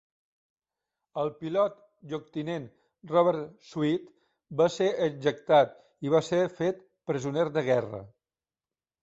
El pilot lloctinent Robert Sweet va ser ejectat i va ser fet presoner de guerra.